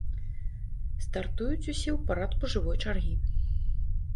Стартуюць усе ў парадку жывой чаргі.